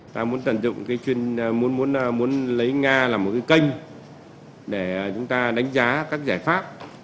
ta muốn tận dụng muốn lấy nga làm một cái kênh để chúng ta đánh giá các giải pháp